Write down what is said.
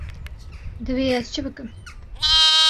Divê ez çi bikim.